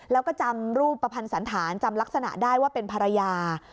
แล้วก็จำรูปประพันธ์สันธารจำลักษณะได้ว่าเป็นภรรยา